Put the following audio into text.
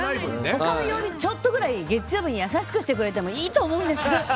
他よりもちょっとぐらい月曜日に優しくしてくれてもいいと思うんです！